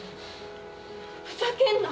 ふざけんな！